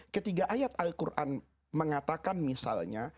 ketiga ayat al quran mengatakan misalnya